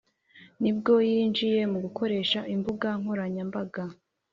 nibwo yinjiye mu gukoresha imbuga nkoranyambaga